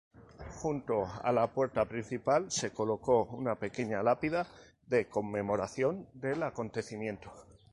Junto a la puerta principal se colocó una pequeña lápida de conmemoración del acontecimiento.